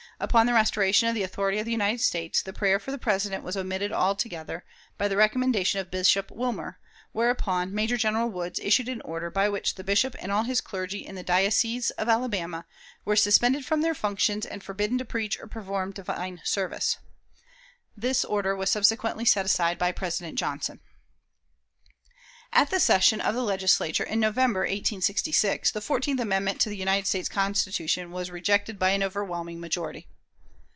Upon the restoration of the authority of the United States, the prayer for the President was omitted altogether, by the recommendation of Bishop Wilmer; whereupon Major General Woods issued an order by which the Bishop and all his clergy in the diocese of Alabama "were suspended from their functions and forbidden to preach or perform divine service." The order was subsequently set aside by President Johnson. At the session of the Legislature in November, 1866, the fourteenth amendment to the United States Constitution was rejected by an overwhelming majority.